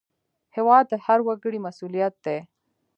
هېواد د هر وګړي مسوولیت دی.